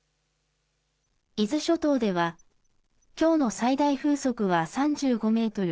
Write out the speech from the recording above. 伊豆諸島ではきょうの最大風速は３５ｍ